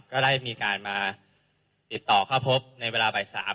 ก็ได้มีการมาติดต่อเข้าพบในเวลาบ่าย๓